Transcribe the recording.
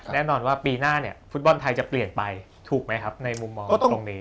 แน่นอนว่าปีหน้าเนี่ยฟุตบอลไทยจะเปลี่ยนไปถูกไหมครับในมุมมองตรงนี้